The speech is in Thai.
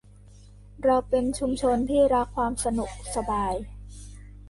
เราเป็นชุมชนที่รักความสนุกสบาย